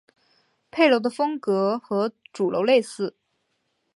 配楼的风格和主楼类似。